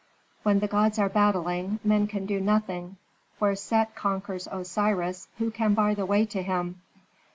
"When the gods are battling, men can do nothing; where Set conquers Osiris, who can bar the way to him?"